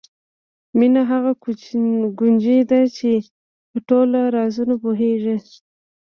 مینه هغه کونجي ده چې په ټولو رازونو پوهېږو.